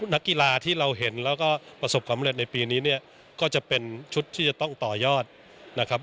นักกีฬาที่เราเห็นแล้วก็ประสบความเร็จในปีนี้เนี่ยก็จะเป็นชุดที่จะต้องต่อยอดนะครับ